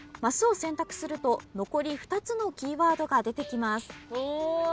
マスを選択すると残り２つのキーワードが出てきます。